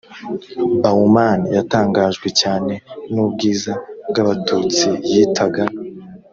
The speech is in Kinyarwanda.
baumann yatangajwe cyane n ubwiza bw abatutsi yitaga